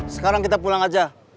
sekarang kita pulang aja